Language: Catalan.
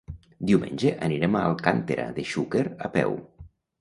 Diumenge anirem a Alcàntera de Xúquer a peu.